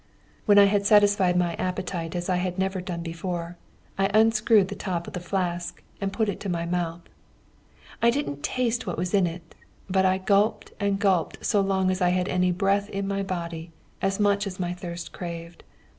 "When I had satisfied my appetite as I had never done before, I unscrewed the top of the flask and put it to my mouth. I didn't taste what was in it, but I gulped and gulped so long as I had any breath in my body, as much as my thirst craved.